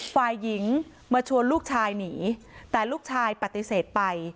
ฝ่ายหญิงมาชวนลูกชายหนีแต่ลูกชายปฏิเสธไป